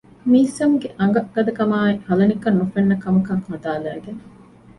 މީސަމް ގެ އަނގަ ގަދަކަމާއި ހަލަނިކަން ނުފެންނަ ކަމަކަށް ހަދާލައިގެން